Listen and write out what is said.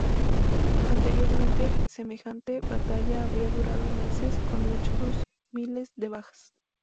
Anteriormente semejante batalla habría durado meses con mucho miles de bajas.